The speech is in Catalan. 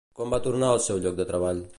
Quan va tornar al seu lloc de treball?